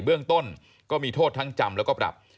เบื้องต้นก็มีโทษทั้งจำแล้วก็ปรับ